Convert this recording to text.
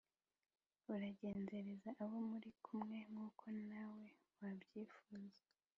Uragenzereze abo muri kumwe nk’uko na we wabyifuza,